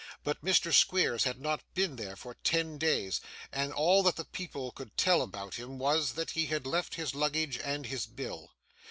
But Mr. Squeers had not been there for ten days, and all that the people could tell about him was, that he had left his luggage and his bill.